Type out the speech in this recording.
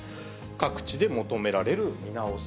各地で求められる見直し。